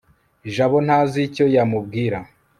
jabo ntazi icyo yamubwira